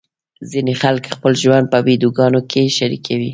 ځینې خلک خپل ژوند په ویډیوګانو کې شریکوي.